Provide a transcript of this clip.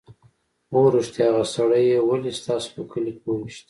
_هو رښتيا! هغه سړی يې ولې ستاسو په کلي کې وويشت؟